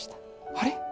あれ？